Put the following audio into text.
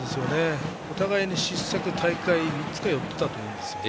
お互いに失策、大会３つか４つだったと思うんです。